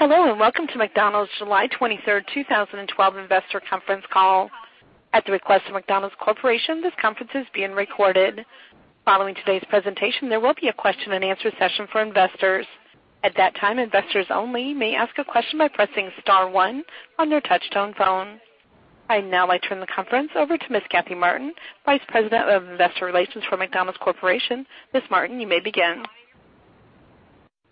Hello, welcome to McDonald's July 23rd, 2012 investor conference call. At the request of McDonald's Corporation, this conference is being recorded. Following today’s presentation, there will be a question-and-answer session for investors. At that time, investors only may ask a question by pressing star one on their touch-tone phone. I’d now like to turn the conference over to Ms. Kathy Martin, Vice President of Investor Relations for McDonald's Corporation. Ms. Martin, you may begin.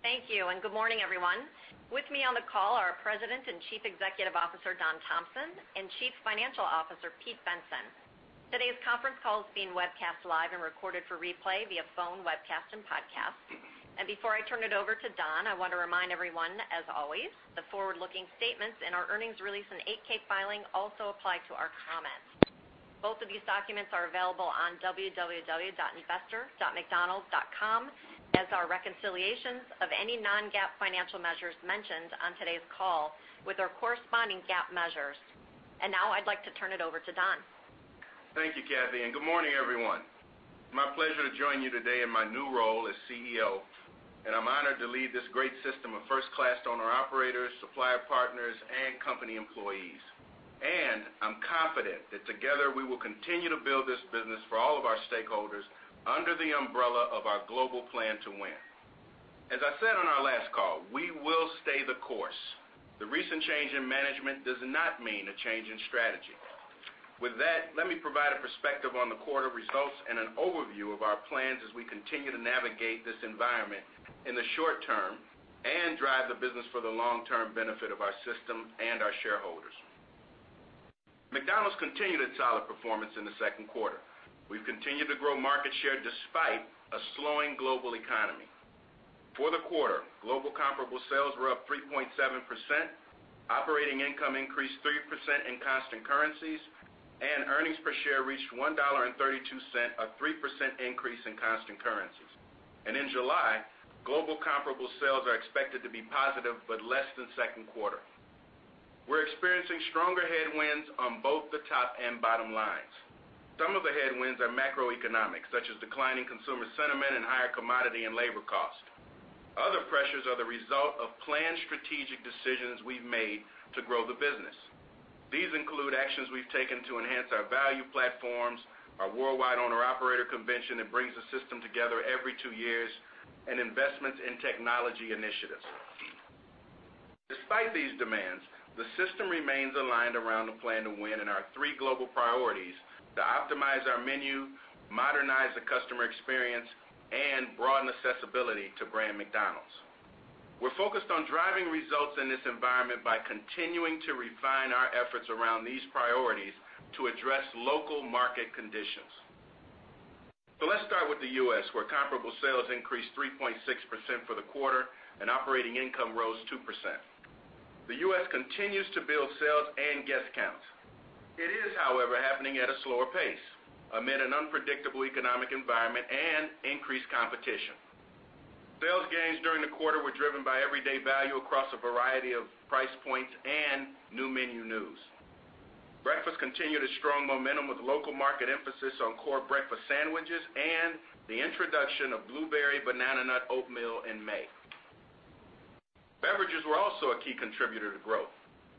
Thank you, good morning, everyone. With me on the call are President and Chief Executive Officer Don Thompson and Chief Financial Officer Peter Bensen. Today’s conference call is being webcast live and recorded for replay via phone, webcast, and podcast. Before I turn it over to Don, I want to remind everyone, as always, the forward-looking statements in our earnings release and 8-K filing also apply to our comments. Both of these documents are available on www.investor.mcdonalds.com, as are reconciliations of any non-GAAP financial measures mentioned on today’s call with our corresponding GAAP measures. Now I’d like to turn it over to Don. Thank you, Kathy, good morning, everyone. My pleasure to join you today in my new role as CEO, I’m honored to lead this great system of first-class owner-operators, supplier partners, and company employees. I’m confident that together we will continue to build this business for all of our stakeholders under the umbrella of our global Plan to Win. As I said on our last call, we will stay the course. The recent change in management does not mean a change in strategy. With that, let me provide a perspective on the quarter results and an overview of our plans as we continue to navigate this environment in the short term and drive the business for the long-term benefit of our system and our shareholders. McDonald's continued its solid performance in the second quarter. We’ve continued to grow market share despite a slowing global economy. For the quarter, global comparable sales were up 3.7%, operating income increased 3% in constant currencies, and earnings per share reached $1.32, a 3% increase in constant currencies. In July, global comparable sales are expected to be positive but less than second quarter. We’re experiencing stronger headwinds on both the top and bottom lines. Some of the headwinds are macroeconomic, such as declining consumer sentiment and higher commodity and labor costs. Other pressures are the result of planned strategic decisions we’ve made to grow the business. These include actions we’ve taken to enhance our value platforms, our worldwide owner-operator convention that brings the system together every two years, and investments in technology initiatives. Despite these demands, the system remains aligned around the Plan to Win and our three global priorities: to optimize our menu, modernize the customer experience, and broaden accessibility to brand McDonald's. We’re focused on driving results in this environment by continuing to refine our efforts around these priorities to address local market conditions. Let’s start with the U.S., where comparable sales increased 3.6% for the quarter and operating income rose 2%. The U.S. continues to build sales and guest counts. It is, however, happening at a slower pace amid an unpredictable economic environment and increased competition. Sales gains during the quarter were driven by everyday value across a variety of price points and new menu news. Breakfast continued its strong momentum with local market emphasis on core breakfast sandwiches and the introduction of Blueberry Banana Nut Oatmeal in May. Beverages were also a key contributor to growth.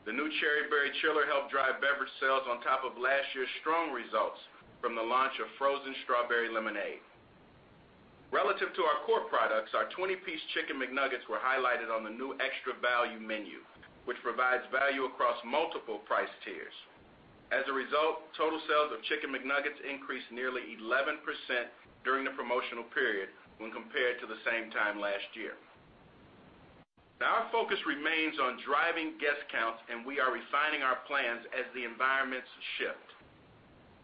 The new Cherry Berry Chiller helped drive beverage sales on top of last year’s strong results from the launch of Frozen Strawberry Lemonade. Relative to our core products, our 20-piece Chicken McNuggets were highlighted on the new Extra Value Menu, which provides value across multiple price tiers. As a result, total sales of Chicken McNuggets increased nearly 11% during the promotional period when compared to the same time last year. Our focus remains on driving guest counts, and we are refining our plans as the environments shift.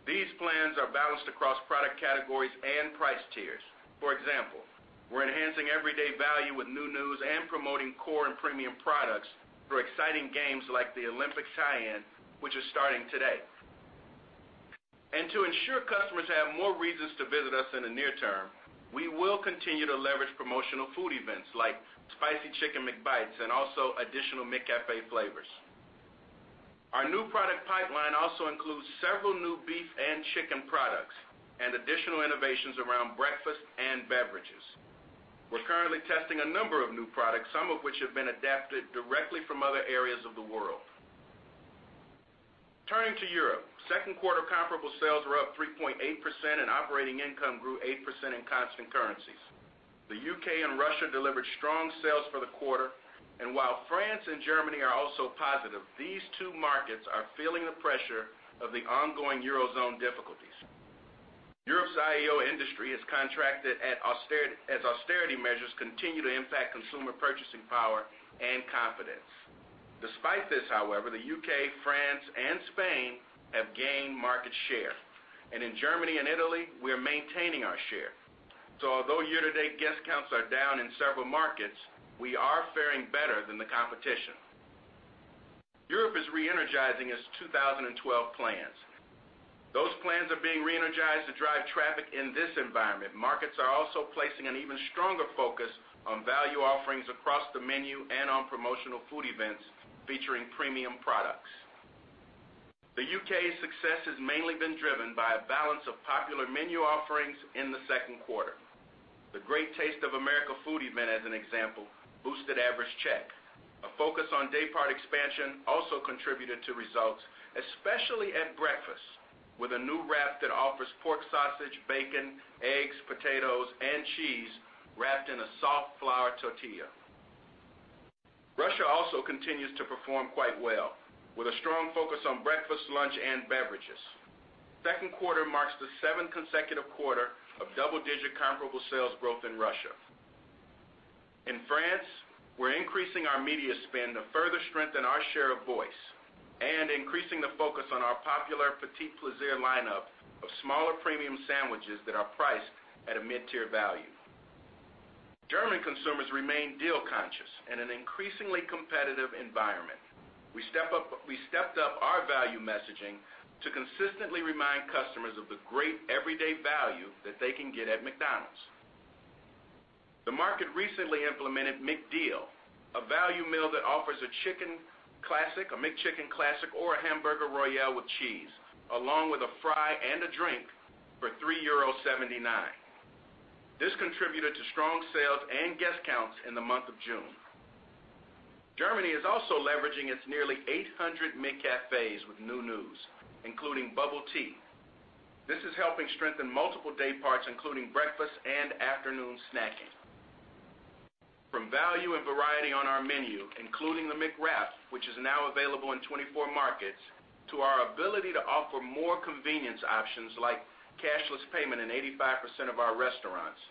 These plans are balanced across product categories and price tiers. For example, we’re enhancing everyday value with new news and promoting core and premium products through exciting games like the Olympics tie-in, which is starting today. To ensure customers have more reasons to visit us in the near term, we will continue to leverage promotional food events like Spicy Chicken McBites and also additional McCafé flavors. Our new product pipeline also includes several new beef and chicken products and additional innovations around breakfast and beverages. We’re currently testing a number of new products, some of which have been adapted directly from other areas of the world. Turning to Europe, second quarter comparable sales were up 3.8% and operating income grew 8% in constant currencies. The U.K. and Russia delivered strong sales for the quarter, and while France and Germany are also positive, these two markets are feeling the pressure of the ongoing Eurozone difficulties. Europe’s IEO industry has contracted as austerity measures continue to impact consumer purchasing power and confidence. Despite this, however, the U.K., France, and Spain have gained market share, and in Germany and Italy, we are maintaining our share. Although year-to-date guest counts are down in several markets, we are faring better than the competition. Europe is reenergizing its 2012 plans. Those plans are being reenergized to drive traffic in this environment. Markets are also placing an even stronger focus on value offerings across the menu and on promotional food events featuring premium products. The U.K.’s success has mainly been driven by a balance of popular menu offerings in the second quarter. The Great Taste of America food event, as an example, boosted average check. A focus on day-part expansion also contributed to results, especially at breakfast, with a new wrap that offers pork sausage, bacon, eggs, potatoes, and cheese wrapped in a soft flour tortilla. Russia also continues to perform quite well, with a strong focus on breakfast, lunch, and beverages. Second quarter marks the seventh consecutive quarter of double-digit comparable sales growth in Russia. In France, we're increasing our media spend to further strengthen our share of voice and increasing the focus on our popular Petit Plaisirs lineup of smaller premium sandwiches that are priced at a mid-tier value. German consumers remain deal-conscious in an increasingly competitive environment. We stepped up our value messaging to consistently remind customers of the great everyday value that they can get at McDonald's. The market recently implemented McDeal, a value meal that offers a McChicken Classic or a Hamburger Royale with cheese, along with a fry and a drink for €3.79. This contributed to strong sales and guest counts in the month of June. Germany is also leveraging its nearly 800 McCafé with new news, including bubble tea. This is helping strengthen multiple day parts, including breakfast and afternoon snacking. From value and variety on our menu, including the McWrap, which is now available in 24 markets, to our ability to offer more convenience options like cashless payment in 85% of our restaurants,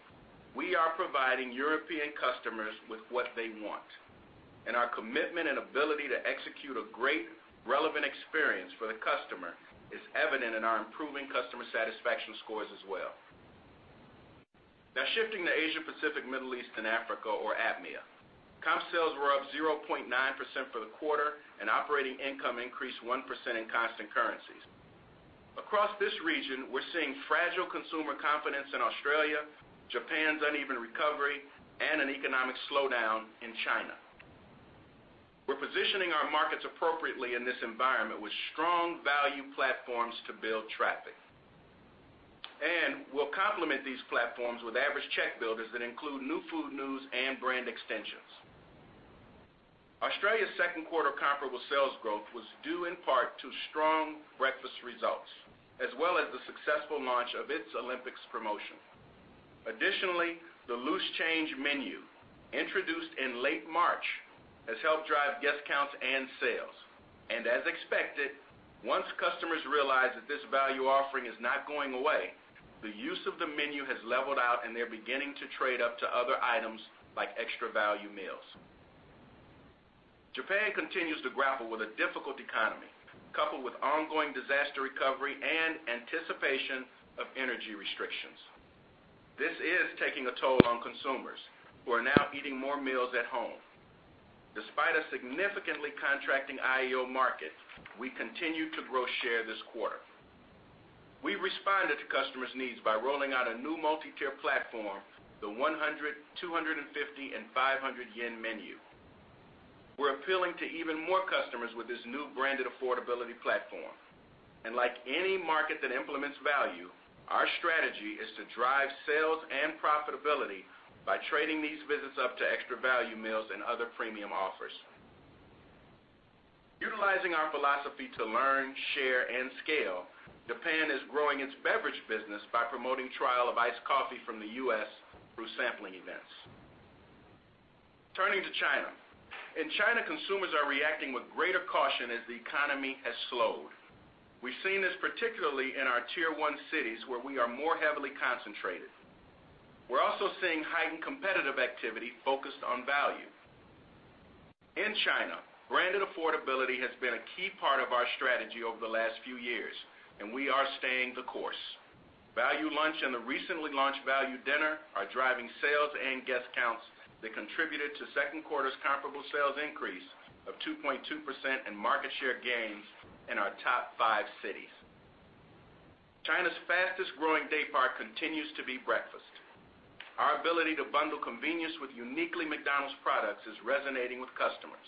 we are providing European customers with what they want. Our commitment and ability to execute a great, relevant experience for the customer is evident in our improving customer satisfaction scores as well. Now shifting to Asia, Pacific, Middle East, and Africa, or APMEA. Comp sales were up 0.9% for the quarter, and operating income increased 1% in constant currencies. Across this region, we're seeing fragile consumer confidence in Australia, Japan's uneven recovery, and an economic slowdown in China. We're positioning our markets appropriately in this environment with strong value platforms to build traffic. We'll complement these platforms with average check builders that include new food news and brand extensions. Australia's second quarter comparable sales growth was due in part to strong breakfast results, as well as the successful launch of its Olympics promotion. Additionally, the Loose Change menu, introduced in late March, has helped drive guest counts and sales. As expected, once customers realized that this value offering is not going away, the use of the menu has leveled out, and they're beginning to trade up to other items like extra value meals. Japan continues to grapple with a difficult economy, coupled with ongoing disaster recovery and anticipation of energy restrictions. This is taking a toll on consumers, who are now eating more meals at home. Despite a significantly contracting IEO market, we continued to grow share this quarter. We've responded to customers' needs by rolling out a new multi-tier platform, the 100, 250, and 500 yen menu. We're appealing to even more customers with this new branded affordability platform. Like any market that implements value, our strategy is to drive sales and profitability by trading these visits up to extra value meals and other premium offers. Utilizing our philosophy to learn, share, and scale, Japan is growing its beverage business by promoting trial of iced coffee from the U.S. through sampling events. Turning to China. In China, consumers are reacting with greater caution as the economy has slowed. We've seen this particularly in our Tier 1 cities, where we are more heavily concentrated. We're also seeing heightened competitive activity focused on value. In China, branded affordability has been a key part of our strategy over the last few years, and we are staying the course. Value Lunch and the recently launched Value Dinner are driving sales and guest counts that contributed to second quarter's comparable sales increase of 2.2% and market share gains in our top five cities. China's fastest growing day part continues to be breakfast. Our ability to bundle convenience with uniquely McDonald's products is resonating with customers.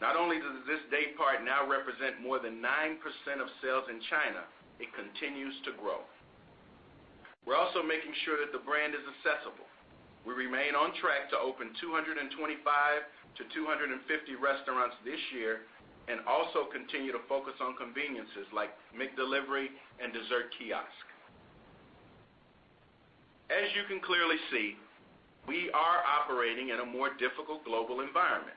Not only does this day part now represent more than 9% of sales in China, it continues to grow. We're also making sure that the brand is accessible. We remain on track to open 225 to 250 restaurants this year and also continue to focus on conveniences like McDelivery and dessert kiosk. As you can clearly see, we are operating in a more difficult global environment.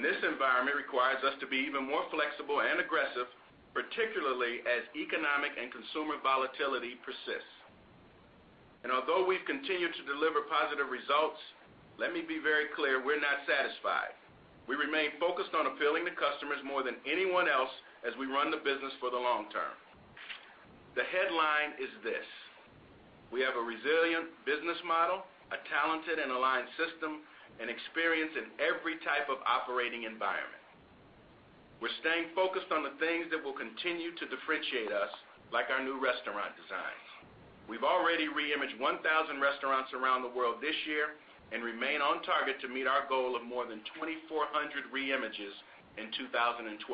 This environment requires us to be even more flexible and aggressive, particularly as economic and consumer volatility persists. Although we've continued to deliver positive results, let me be very clear, we're not satisfied. We remain focused on appealing to customers more than anyone else as we run the business for the long term. The headline is this: We have a resilient business model, a talented and aligned system, and experience in every type of operating environment. We're staying focused on the things that will continue to differentiate us, like our new restaurant design. We've already re-imaged 1,000 restaurants around the world this year and remain on target to meet our goal of more than 2,400 re-images in 2012.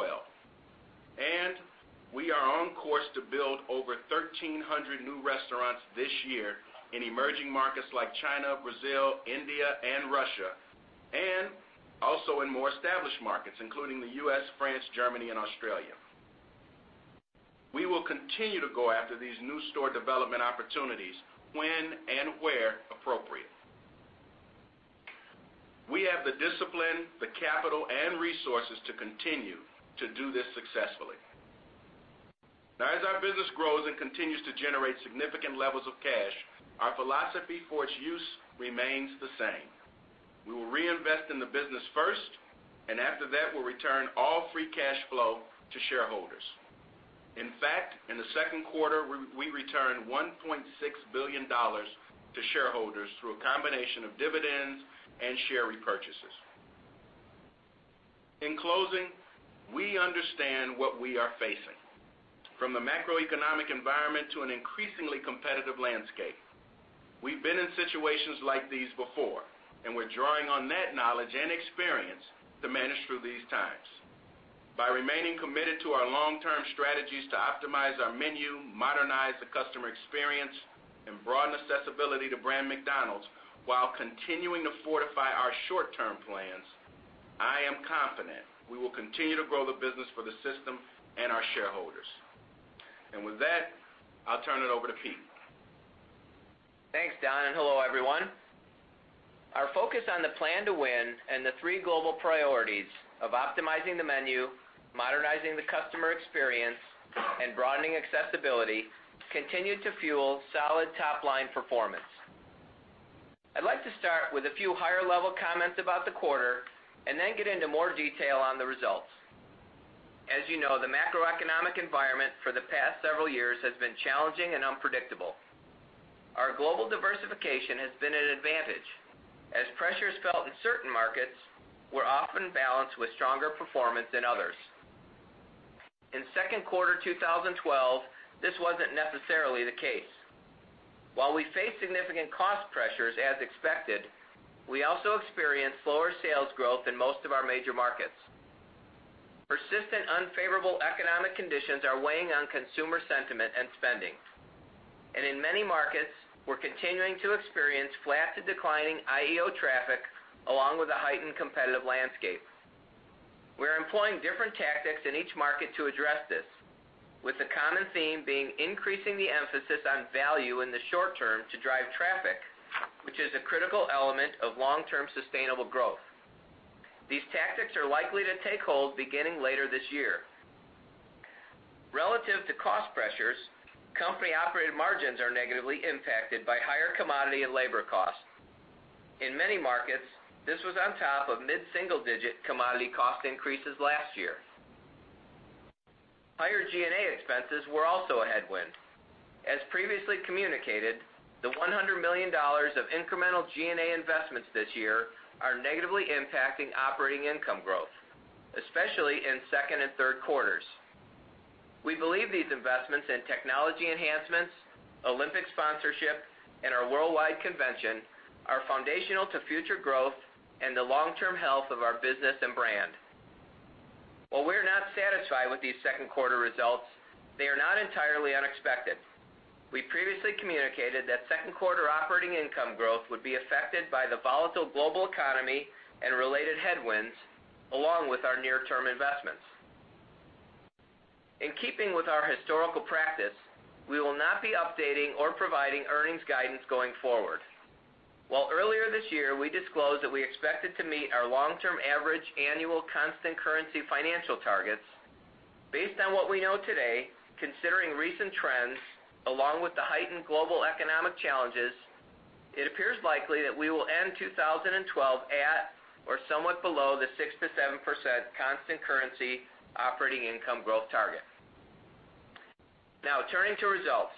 We are on course to build over 1,300 new restaurants this year in emerging markets like China, Brazil, India, and Russia, and also in more established markets, including the U.S., France, Germany, and Australia. We will continue to go after these new store development opportunities when and where appropriate. We have the discipline, the capital, and resources to continue to do this successfully. Now, as our business grows and continues to generate significant levels of cash, our philosophy for its use remains the same. We will reinvest in the business first, and after that, we'll return all free cash flow to shareholders. In fact, in the second quarter, we returned $1.6 billion to shareholders through a combination of dividends and share repurchases. In closing, we understand what we are facing, from the macroeconomic environment to an increasingly competitive landscape. We've been in situations like these before. We're drawing on that knowledge and experience to manage through these times. By remaining committed to our long-term strategies to optimize our menu, modernize the customer experience, and broaden accessibility to brand McDonald's while continuing to fortify our short-term plans, I am confident we will continue to grow the business for the system and our shareholders. With that, I'll turn it over to Pete. Thanks, Don, and hello, everyone. Our focus on the Plan to Win and the three global priorities of optimizing the menu, modernizing the customer experience, and broadening accessibility continue to fuel solid top-line performance. I'd like to start with a few higher-level comments about the quarter and then get into more detail on the results. As you know, the macroeconomic environment for the past several years has been challenging and unpredictable. Our global diversification has been an advantage, as pressures felt in certain markets were often balanced with stronger performance in others. In second quarter 2012, this wasn't necessarily the case. While we faced significant cost pressures as expected, we also experienced slower sales growth in most of our major markets. Persistent unfavorable economic conditions are weighing on consumer sentiment and spending. In many markets, we're continuing to experience flat to declining IEO traffic, along with a heightened competitive landscape. We're employing different tactics in each market to address this, with the common theme being increasing the emphasis on value in the short term to drive traffic, which is a critical element of long-term sustainable growth. These tactics are likely to take hold beginning later this year. Relative to cost pressures, company-operated margins are negatively impacted by higher commodity and labor costs. In many markets, this was on top of mid-single-digit commodity cost increases last year. Higher G&A expenses were also a headwind. As previously communicated, the $100 million of incremental G&A investments this year are negatively impacting operating income growth, especially in second and third quarters. We believe these investments in technology enhancements, Olympic sponsorship, and our Worldwide Convention are foundational to future growth and the long-term health of our business and brand. While we're not satisfied with these second quarter results, they are not entirely unexpected. We previously communicated that second quarter operating income growth would be affected by the volatile global economy and related headwinds, along with our near-term investments. In keeping with our historical practice, we will not be updating or providing earnings guidance going forward. While earlier this year we disclosed that we expected to meet our long-term average annual constant currency financial targets, based on what we know today, considering recent trends, along with the heightened global economic challenges, it appears likely that we will end 2012 at or somewhat below the 6%-7% constant currency operating income growth target. Turning to results.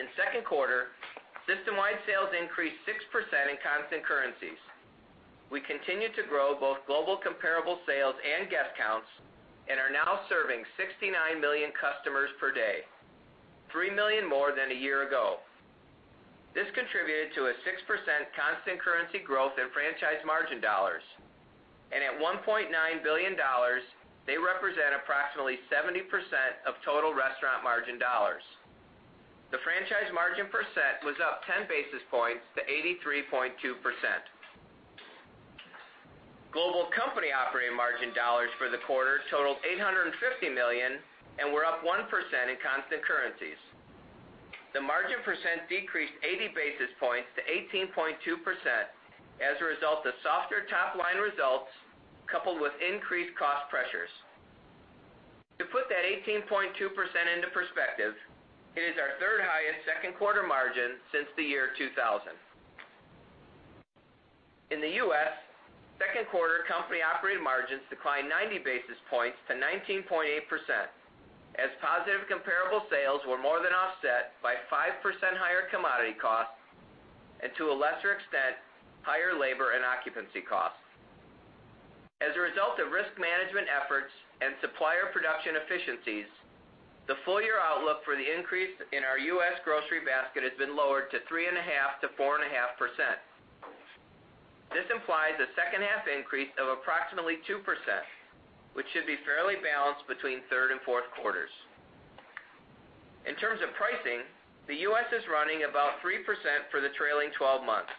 In second quarter, systemwide sales increased 6% in constant currencies. We continued to grow both global comparable sales and guest counts and are now serving 69 million customers per day, 3 million more than a year ago. This contributed to a 6% constant currency growth in franchise margin dollars, and at $1.9 billion, they represent approximately 70% of total restaurant margin dollars. The franchise margin percent was up 10 basis points to 83.2%. Global company operating margin dollars for the quarter totaled $850 million and were up 1% in constant currencies. The margin percent decreased 80 basis points to 18.2% as a result of softer top-line results coupled with increased cost pressures. To put that 18.2% into perspective, it is our third highest second quarter margin since the year 2000. In the U.S., second quarter company operating margins declined 90 basis points to 19.8% as positive comparable sales were more than offset by 5% higher commodity costs and to a lesser extent, higher labor and occupancy costs. The result of risk management efforts and supplier production efficiencies, the full year outlook for the increase in our U.S. grocery basket has been lowered to 3.5%-4.5%. This implies a second half increase of approximately 2%, which should be fairly balanced between third and fourth quarters. In terms of pricing, the U.S. is running about 3% for the trailing 12 months.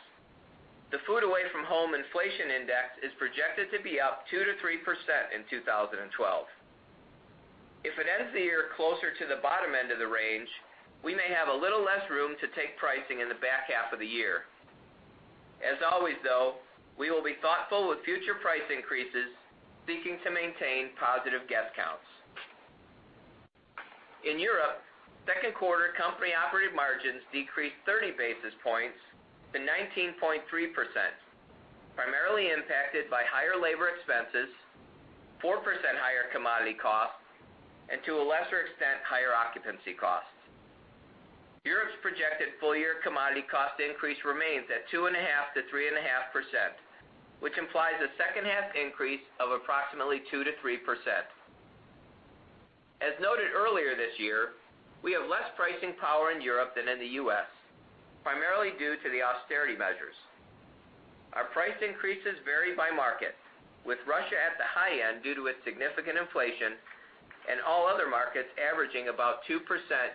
The food away from home inflation index is projected to be up 2%-3% in 2012. If it ends the year closer to the bottom end of the range, we may have a little less room to take pricing in the back half of the year. As always, though, we will be thoughtful with future price increases, seeking to maintain positive guest counts. In Europe, second quarter company operating margins decreased 30 basis points to 19.3%, primarily impacted by higher labor expenses, 4% higher commodity costs, and to a lesser extent, higher occupancy costs. Europe's projected full year commodity cost increase remains at 2.5%-3.5%, which implies a second half increase of approximately 2%-3%. As noted earlier this year, we have less pricing power in Europe than in the U.S., primarily due to the austerity measures. Our price increases vary by market, with Russia at the high end due to its significant inflation and all other markets averaging about 2%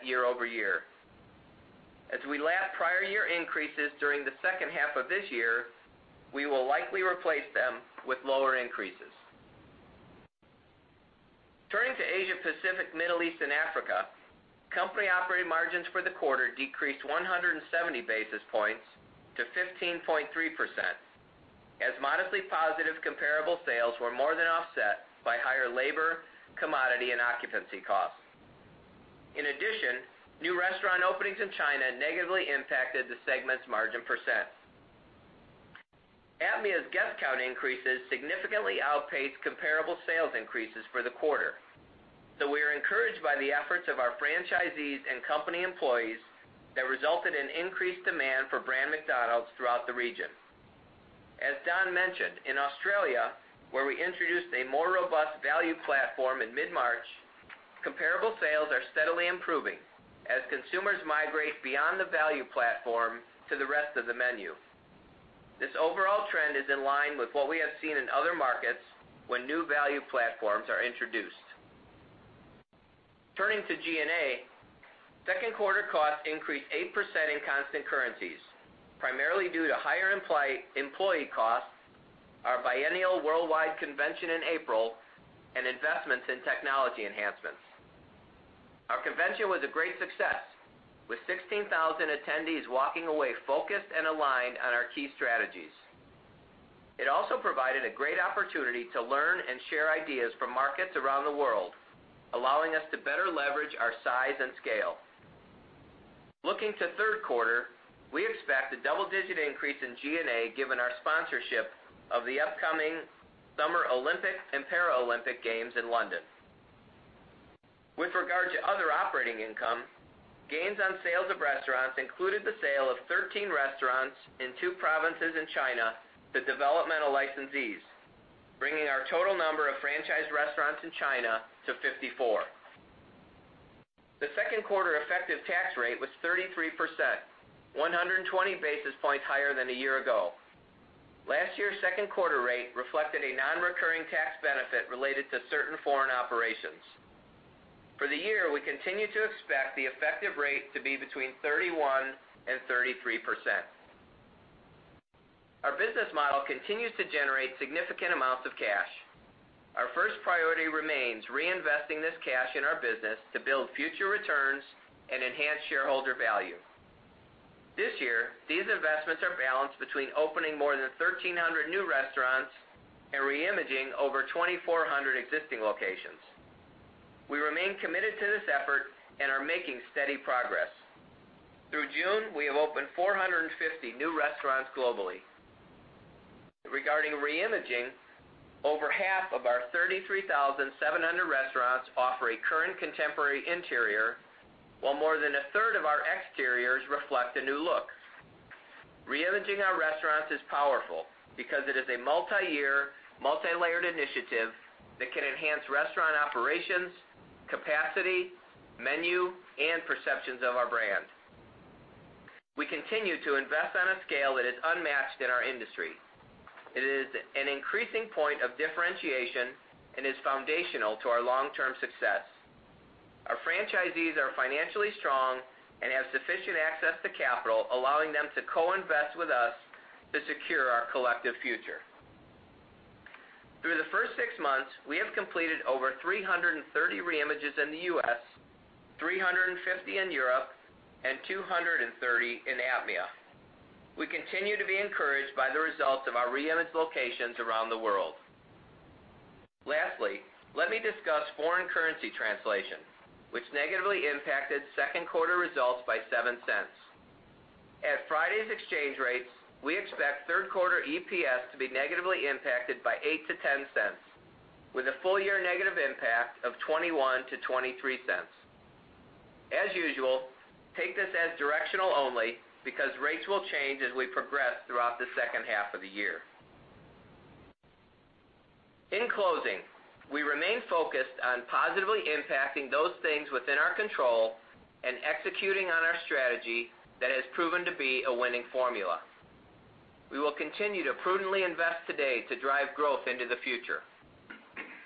year over year. As we lap prior year increases during the second half of this year, we will likely replace them with lower increases. Turning to Asia Pacific, Middle East, and Africa, company operating margins for the quarter decreased 170 basis points to 15.3%, as modestly positive comparable sales were more than offset by higher labor, commodity, and occupancy costs. In addition, new restaurant openings in China negatively impacted the segment's margin percent. APMEA's guest count increases significantly outpaced comparable sales increases for the quarter. We are encouraged by the efforts of our franchisees and company employees that resulted in increased demand for brand McDonald's throughout the region. As Don mentioned, in Australia, where we introduced a more robust value platform in mid-March, comparable sales are steadily improving as consumers migrate beyond the value platform to the rest of the menu. This overall trend is in line with what we have seen in other markets when new value platforms are introduced. Turning to G&A, second quarter costs increased 8% in constant currencies, primarily due to higher employee costs, our biennial worldwide convention in April, and investments in technology enhancements. Our convention was a great success, with 16,000 attendees walking away focused and aligned on our key strategies. It also provided a great opportunity to learn and share ideas from markets around the world, allowing us to better leverage our size and scale. Looking to third quarter, we expect a double-digit increase in G&A given our sponsorship of the upcoming Summer Olympic and Paralympic Games in London. With regard to other operating income, gains on sales of restaurants included the sale of 13 restaurants in two provinces in China to developmental licensees, bringing our total number of franchise restaurants in China to 54. The second quarter effective tax rate was 33%, 120 basis points higher than a year ago. Last year's second quarter rate reflected a non-recurring tax benefit related to certain foreign operations. For the year, we continue to expect the effective rate to be between 31% and 33%. Our business model continues to generate significant amounts of cash. Our first priority remains reinvesting this cash in our business to build future returns and enhance shareholder value. This year, these investments are balanced between opening more than 1,300 new restaurants and reimaging over 2,400 existing locations. We remain committed to this effort and are making steady progress. Through June, we have opened 450 new restaurants globally. Regarding reimaging, over half of our 33,700 restaurants offer a current contemporary interior, while more than a third of our exteriors reflect a new look. Reimaging our restaurants is powerful because it is a multi-year, multi-layered initiative that can enhance restaurant operations, capacity, menu, and perceptions of our brand. We continue to invest on a scale that is unmatched in our industry. It is an increasing point of differentiation and is foundational to our long-term success. Our franchisees are financially strong and have sufficient access to capital, allowing them to co-invest with us to secure our collective future. Through the first six months, we have completed over 330 reimages in the U.S., 350 in Europe, and 230 in APMEA. We continue to be encouraged by the results of our reimaged locations around the world. Lastly, let me discuss foreign currency translation, which negatively impacted second quarter results by $0.07. At Friday's exchange rates, we expect third quarter EPS to be negatively impacted by $0.08-$0.10, with a full year negative impact of $0.21-$0.23. As usual, take this as directional only because rates will change as we progress throughout the second half of the year. In closing, we remain focused on positively impacting those things within our control and executing on our strategy that has proven to be a winning formula. We will continue to prudently invest today to drive growth into the future.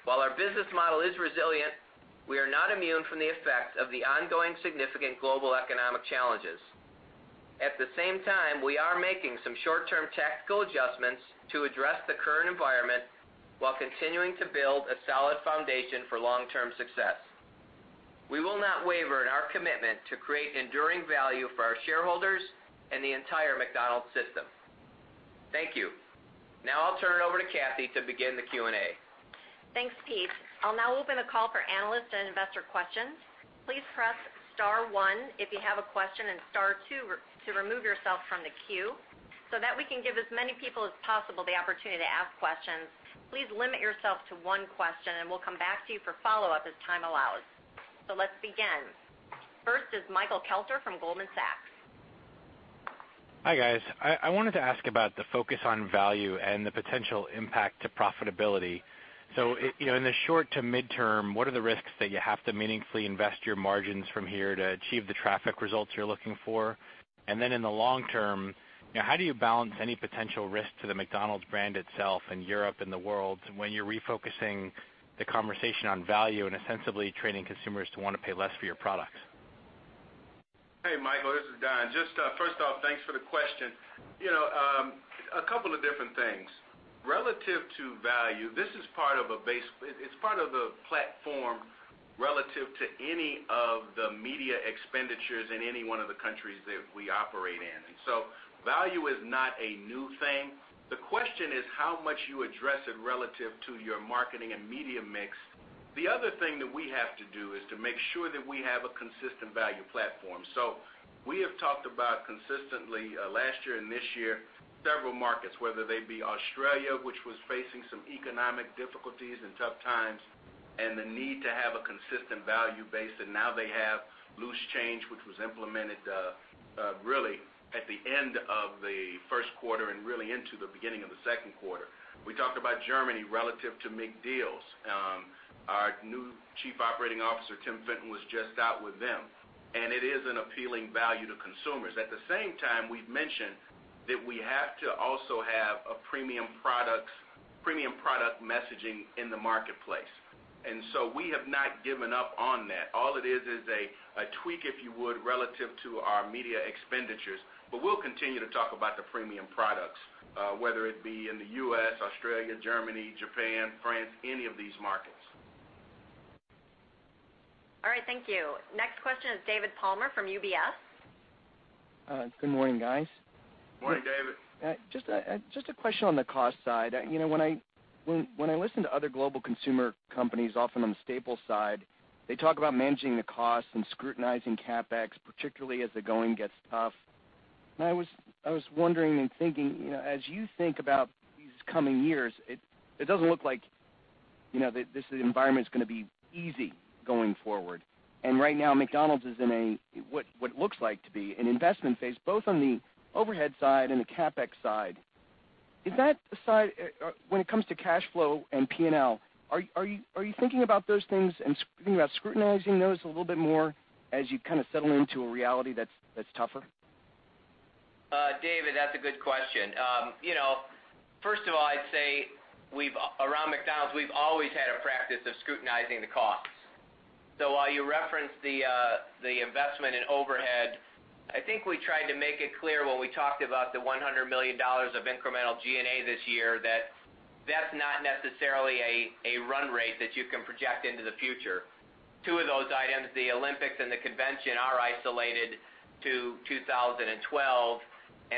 While our business model is resilient, we are not immune from the effects of the ongoing significant global economic challenges. At the same time, we are making some short-term tactical adjustments to address the current environment while continuing to build a solid foundation for long-term success. We will not waver in our commitment to create enduring value for our shareholders and the entire McDonald's system. Thank you. Now I'll turn it over to Kathy to begin the Q&A. Thanks, Pete. I'll now open the call for analyst and investor questions. Please press star one if you have a question and star two to remove yourself from the queue. That we can give as many people as possible the opportunity to ask questions, please limit yourself to one question, and we'll come back to you for follow-up as time allows. Let's begin. First is Michael Kelter from Goldman Sachs. Hi, guys. I wanted to ask about the focus on value and the potential impact to profitability. In the short to midterm, what are the risks that you have to meaningfully invest your margins from here to achieve the traffic results you're looking for? In the long term, how do you balance any potential risk to the McDonald's brand itself in Europe and the world when you're refocusing the conversation on value and ostensibly training consumers to want to pay less for your products? Hey, Michael, this is Don. Just first off, thanks for the question. A couple of different things. Relative to value, it's part of the platform relative to any of the media expenditures in any one of the countries that we operate in. Value is not a new thing. The question is how much you address it relative to your marketing and media mix. The other thing that we have to do is to make sure that we have a consistent value platform. We have talked about consistently, last year and this year, several markets, whether they be Australia, which was facing some economic difficulties and tough times, and the need to have a consistent value base. Now they have loose change, which was implemented really at the end of the first quarter and really into the beginning of the second quarter. We talked about Germany relative to McDeals. Our new Chief Operating Officer, Tim Fenton, was just out with them, and it is an appealing value to consumers. At the same time, we've mentioned that we have to also have premium product messaging in the marketplace. We have not given up on that. All it is is a tweak, if you would, relative to our media expenditures. We'll continue to talk about the premium products, whether it be in the U.S., Australia, Germany, Japan, France, any of these markets. All right. Thank you. Next question is David Palmer from UBS. Good morning, guys. Morning, David. Just a question on the cost side. When I listen to other global consumer companies, often on the staple side, they talk about managing the costs and scrutinizing CapEx, particularly as the going gets tough. I was wondering and thinking, as you think about these coming years, it doesn't look like this environment is going to be easy going forward. Right now, McDonald's is in what looks like to be an investment phase, both on the overhead side and the CapEx side. When it comes to cash flow and P&L, are you thinking about those things and thinking about scrutinizing those a little bit more as you kind of settle into a reality that's tougher? David, that's a good question. First of all, I'd say around McDonald's, we've always had a practice of scrutinizing the costs. While you reference the investment in overhead, I think we tried to make it clear when we talked about the $100 million of incremental G&A this year that that's not necessarily a run rate that you can project into the future. Two of those items, the Olympics and the convention, are isolated to 2012, and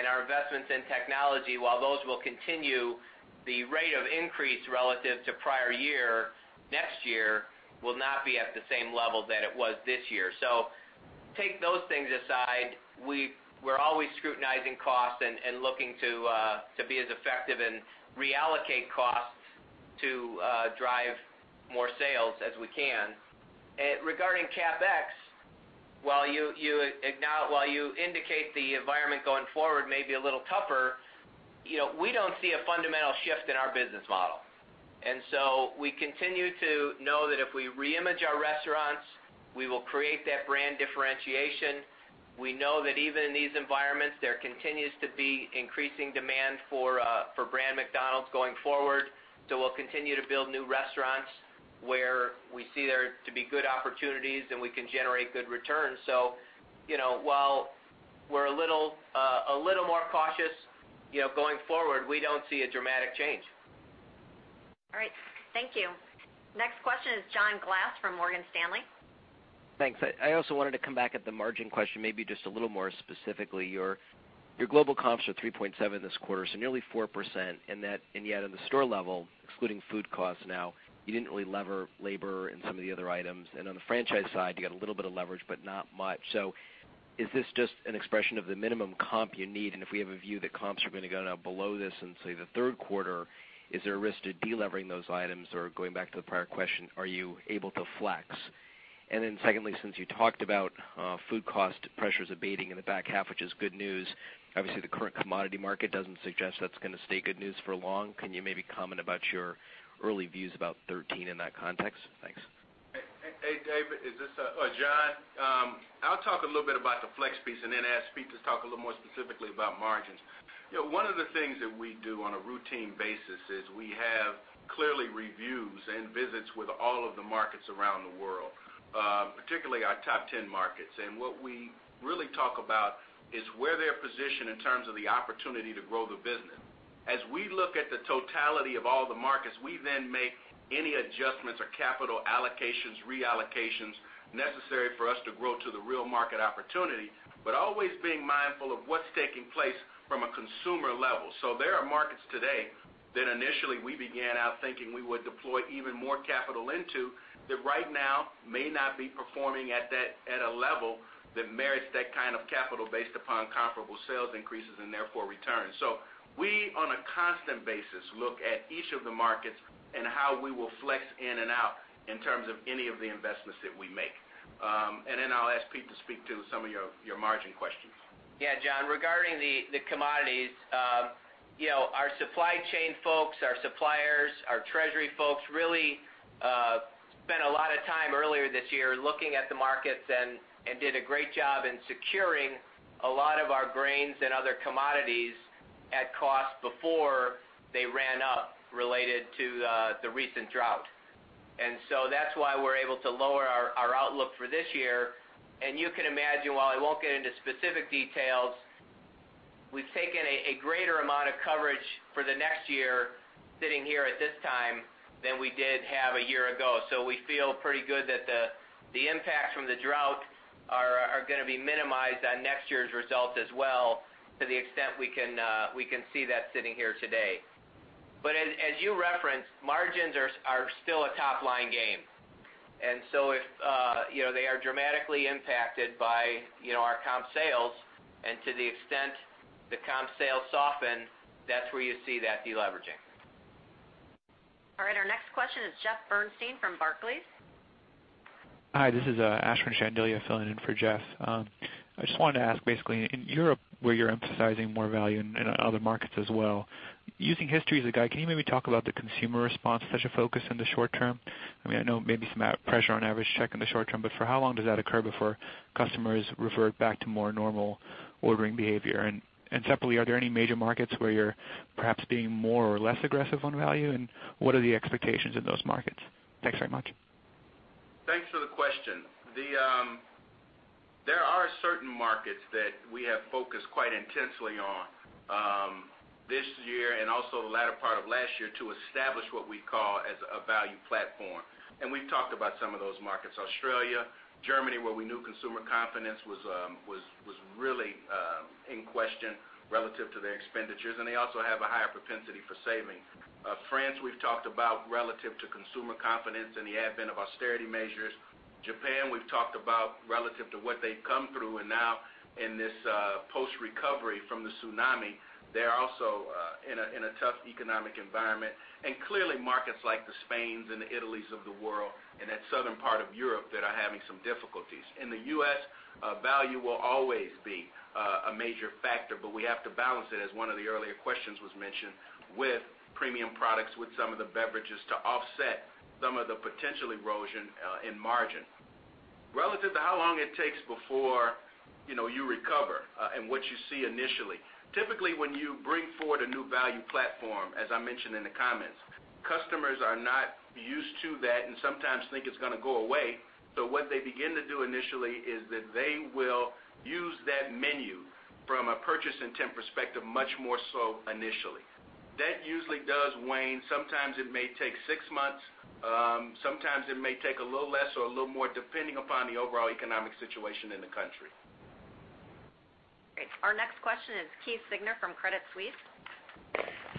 our investments in technology, while those will continue, the rate of increase relative to prior year, next year, will not be at the same level that it was this year. Take those things aside. We're always scrutinizing costs and looking to be as effective and reallocate costs to drive more sales as we can. Regarding CapEx, while you indicate the environment going forward may be a little tougher, we don't see a fundamental shift in our business model. We continue to know that if we reimage our restaurants, we will create that brand differentiation. We know that even in these environments, there continues to be increasing demand for brand McDonald's going forward. We'll continue to build new restaurants where we see there to be good opportunities, and we can generate good returns. While we're a little more cautious going forward, we don't see a dramatic change. All right. Thank you. Next question is John Glass from Morgan Stanley. Thanks. I also wanted to come back at the margin question maybe just a little more specifically. Your global comps are 3.7% this quarter, nearly 4%, and yet at the store level, excluding food costs now, you didn't really lever labor and some of the other items. On the franchise side, you got a little bit of leverage, but not much. Is this just an expression of the minimum comp you need? If we have a view that comps are going to go down below this in, say, the third quarter, is there a risk to de-levering those items? Going back to the prior question, are you able to flex? Secondly, since you talked about food cost pressures abating in the back half, which is good news, obviously the current commodity market doesn't suggest that's going to stay good news for long. Can you maybe comment about your early views about 2013 in that context? Thanks. John. I'll talk a little bit about the flex piece and then ask Pete to talk a little more specifically about margins. One of the things that we do on a routine basis is we have clearly reviews and visits with all of the markets around the world, particularly our top 10 markets. What we really talk about is where they're positioned in terms of the opportunity to grow the business. As we look at the totality of all the markets, we make any adjustments or capital allocations, reallocations necessary for us to grow to the real market opportunity, always being mindful of what's taking place from a consumer level. There are markets today that initially we began out thinking we would deploy even more capital into, that right now may not be performing at a level that merits that kind of capital based upon comparable sales increases and therefore returns. We, on a constant basis, look at each of the markets and how we will flex in and out in terms of any of the investments that we make. I'll ask Pete to speak to some of your margin questions. John, regarding the commodities, our supply chain folks, our suppliers, our treasury folks really spent a lot of time earlier this year looking at the markets and did a great job in securing a lot of our grains and other commodities at cost before they ran up related to the recent drought. That's why we're able to lower our outlook for this year. You can imagine, while I won't get into specific details, we've taken a greater amount of coverage for the next year sitting here at this time than we did have a year ago. We feel pretty good that the impacts from the drought are going to be minimized on next year's results as well, to the extent we can see that sitting here today. As you referenced, margins are still a top-line game. They are dramatically impacted by our comp sales. To the extent the comp sales soften, that's where you see that de-leveraging. All right. Our next question is Jeffrey Bernstein from Barclays. Hi, this is Ashwin Shandilya filling in for Jeff. I just wanted to ask, basically, in Europe, where you're emphasizing more value and other markets as well, using history as a guide, can you maybe talk about the consumer response to such a focus in the short term? I know maybe some pressure on average check in the short term, but for how long does that occur before customers revert back to more normal ordering behavior? Separately, are there any major markets where you're perhaps being more or less aggressive on value? What are the expectations in those markets? Thanks very much. Thanks for the question. There are certain markets that we have focused quite intensely on this year and also the latter part of last year to establish what we call as a value platform. We've talked about some of those markets, Australia, Germany, where we knew consumer confidence was really in question relative to their expenditures, and they also have a higher propensity for saving. France, we've talked about relative to consumer confidence and the advent of austerity measures. Japan, we've talked about relative to what they've come through and now in this post-recovery from the tsunami, they're also in a tough economic environment. Clearly markets like the Spains and the Italys of the world and that southern part of Europe that are having some difficulties. In the U.S., value will always be a major factor, but we have to balance it, as one of the earlier questions mentioned, with premium products, with some of the beverages to offset some of the potential erosion in margin. Relative to how long it takes before you recover and what you see initially, typically when you bring forward a new value platform, as I mentioned in the comments, customers are not used to that and sometimes think it's going to go away. What they begin to do initially is that they will use that menu from a purchase intent perspective much more so initially. That usually does wane. Sometimes it may take six months, sometimes it may take a little less or a little more, depending upon the overall economic situation in the country. Great. Our next question is Keith Siegner from Credit Suisse.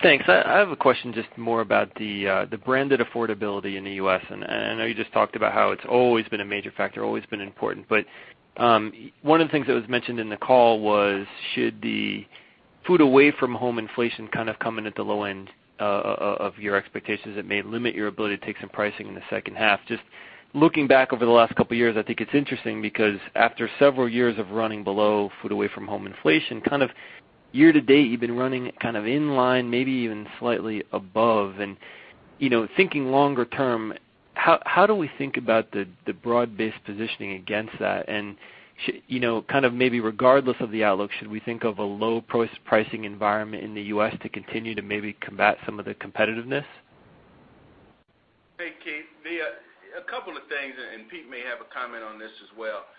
Thanks. I have a question just more about the branded affordability in the U.S. I know you just talked about how it's always been a major factor, always been important, but one of the things that was mentioned in the call was should the food away from home inflation kind of come in at the low end of your expectations, it may limit your ability to take some pricing in the second half. Just looking back over the last couple of years, I think it's interesting because after several years of running below food away from home inflation, kind of year to date, you've been running kind of in line, maybe even slightly above. Thinking longer term, how do we think about the broad-based positioning against that? kind of maybe regardless of the outlook, should we think of a low-priced pricing environment in the U.S. to continue to maybe combat some of the competitiveness? Hey, Keith. A couple of things, and Pete may have a comment on this as well.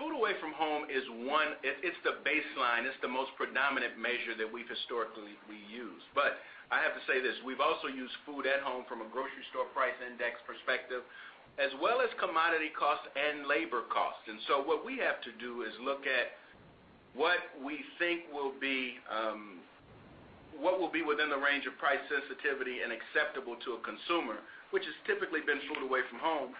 Food away from home is the baseline. It's the most predominant measure that we've historically used. I have to say this, we've also used food at home from a grocery store price index perspective, as well as commodity cost and labor cost. What we have to do is look at what we think will be within the range of price sensitivity and acceptable to a consumer, which has typically been food away from home.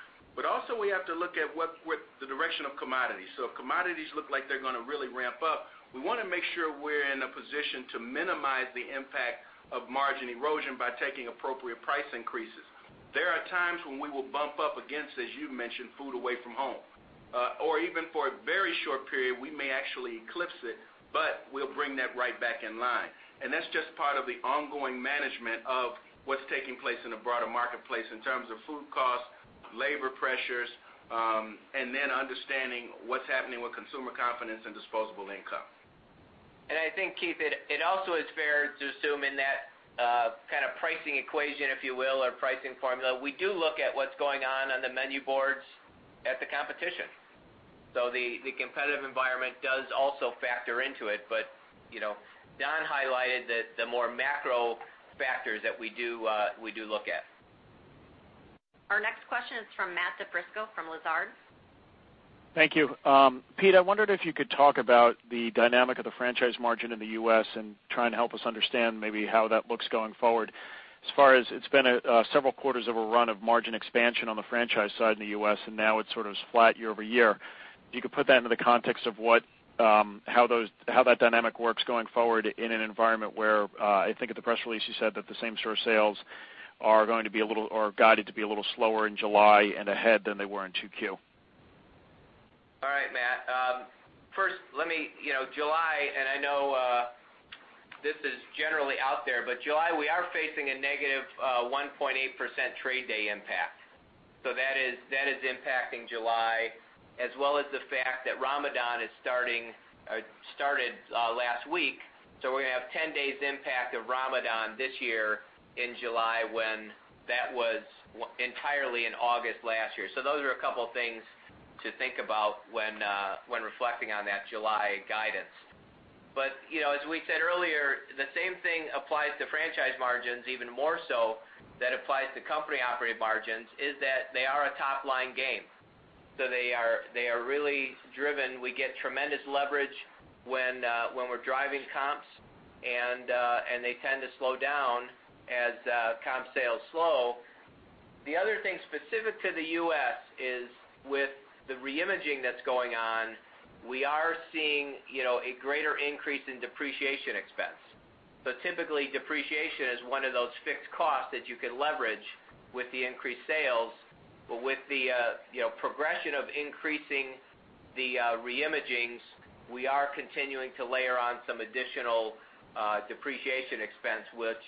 Also we have to look at the direction of commodities. If commodities look like they're going to really ramp up, we want to make sure we're in a position to minimize the impact of margin erosion by taking appropriate price increases. There are times when we will bump up against, as you mentioned, food away from home. Even for a very short period, we may actually eclipse it, but we'll bring that right back in line. That's just part of the ongoing management of what's taking place in the broader marketplace in terms of food costs, labor pressures, then understanding what's happening with consumer confidence and disposable income. I think, Keith, it also is fair to assume in that kind of pricing equation, if you will, or pricing formula, we do look at what's going on on the menu boards at the competition. The competitive environment does also factor into it. Don highlighted the more macro factors that we do look at. Our next question is from Matthew DiFrisco from Lazard. Thank you. Pete, I wondered if you could talk about the dynamic of the franchise margin in the U.S. and try and help us understand maybe how that looks going forward, as far as it's been several quarters of a run of margin expansion on the franchise side in the U.S., and now it's sort of flat year-over-year. If you could put that into the context of how that dynamic works going forward in an environment where, I think in the press release you said that the same store sales are going to be a little or guided to be a little slower in July and ahead than they were in 2Q. All right, Matt. I know this is generally out there, July, we are facing a negative 1.8% trade day impact. That is impacting July, as well as the fact that Ramadan started last week. We're going to have 10 days impact of Ramadan this year in July, when that was entirely in August last year. Those are a couple of things to think about when reflecting on that July guidance. As we said earlier, the same thing applies to franchise margins even more so, that applies to company operated margins, is that they are a top-line game. They are really driven. We get tremendous leverage when we're driving comps, and they tend to slow down as comp sales slow. The other thing specific to the U.S. is with the re-imaging that's going on, we are seeing a greater increase in depreciation expense. Typically, depreciation is one of those fixed costs that you can leverage with the increased sales. With the progression of increasing the re-imagings, we are continuing to layer on some additional depreciation expense, which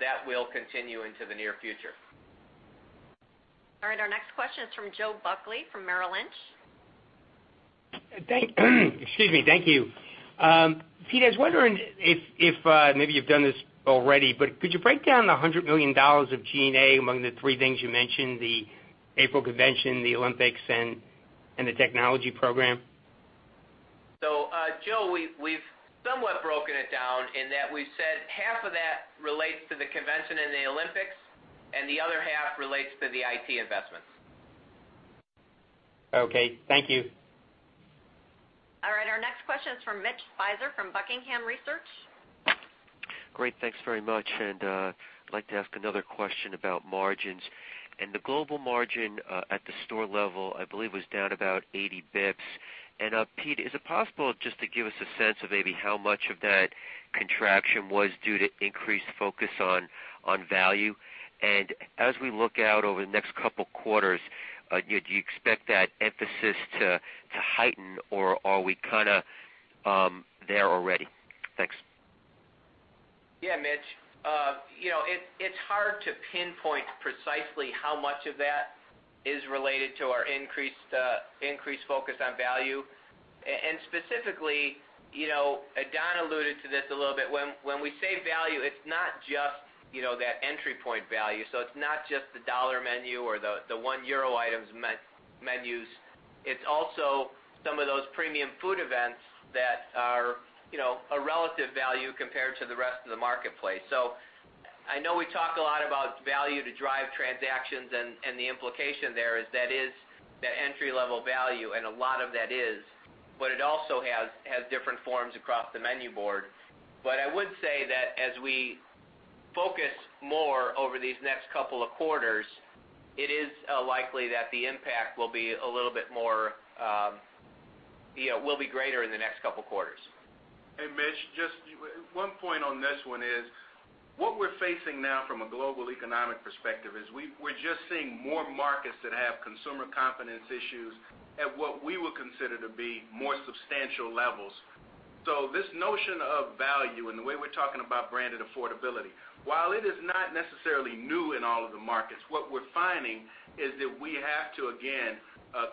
that will continue into the near future. All right. Our next question is from Joe Buckley from Merrill Lynch. Excuse me. Thank you. Pete, I was wondering if, maybe you've done this already, but could you break down the $100 million of G&A among the three things you mentioned, the April convention, the Olympics, and the technology program? Joe, we've somewhat broken it down in that we've said half of that relates to the convention and the Olympics, and the other half relates to the IT investments. Okay. Thank you. All right. Our next question is from Mitch Speiser from Buckingham Research. Great. Thanks very much. I'd like to ask another question about margins. The global margin at the store level, I believe, was down about 80 basis points. Pete, is it possible just to give us a sense of maybe how much of that contraction was due to increased focus on value? As we look out over the next couple of quarters, do you expect that emphasis to heighten, or are we kind of there already? Thanks. Mitch. It's hard to pinpoint precisely how much of that is related to our increased focus on value. Specifically, Don Thompson alluded to this a little bit, when we say value, it's not just that entry point value. It's not just the dollar menu or the 1 euro items menus. It's also some of those premium food events that are a relative value compared to the rest of the marketplace. I know we talk a lot about value to drive transactions, and the implication there is that is the entry-level value, and a lot of that is. It also has different forms across the menu board. I would say that as we focus more over these next couple of quarters, it is likely that the impact will be greater in the next couple of quarters. Hey, Mitch. Just one point on this one is, what we're facing now from a global economic perspective is we're just seeing more markets that have consumer confidence issues at what we would consider to be more substantial levels. This notion of value and the way we're talking about branded affordability, while it is not necessarily new in all of the markets, what we're finding is that we have to, again,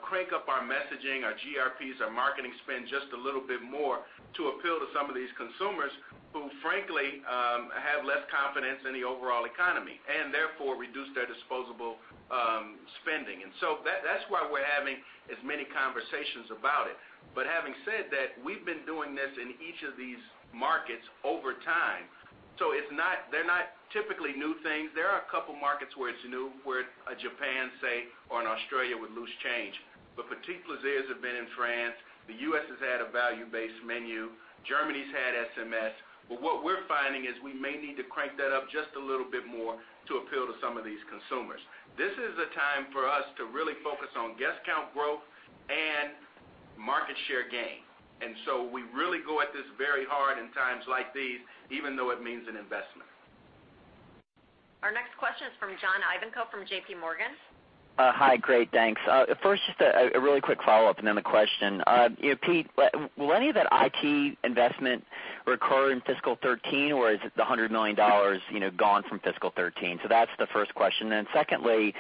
crank up our messaging, our GRPs, our marketing spend just a little bit more to appeal to some of these consumers who, frankly, have less confidence in the overall economy, and therefore reduce their disposable spending. That's why we're having as many conversations about it. Having said that, we've been doing this in each of these markets over time. They're not typically new things. There are a couple markets where it's new, where Japan, say, or in Australia with loose change. Petits Plaisirs have been in France. The U.S. has had a value-based menu. Germany's had SMS, what we're finding is we may need to crank that up just a little bit more to appeal to some of these consumers. This is a time for us to really focus on guest count growth and market share gain. We really go at this very hard in times like these, even though it means an investment. Our next question is from John Ivankoe from JPMorgan. Hi. Great, thanks. First, just a really quick follow-up and the question. Pete, will any of that IT investment recur in fiscal 2013, or is the $100 million gone from fiscal 2013? That's the first question. Secondly,